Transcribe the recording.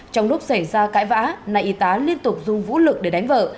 trong lúc xảy ra cãi vã nay y tá liên tục dùng vũ lực để đánh vợ